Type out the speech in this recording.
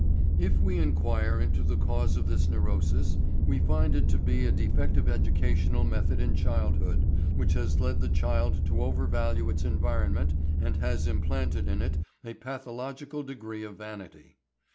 If we inquire into the cause of this neurosis we find it to be a defective educational method in childhood, which has led the child to overvalue its environment and has implanted in it a pathologic degree of vanity.